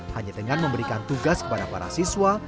hanya dengan memberikan tugas kepada para siswa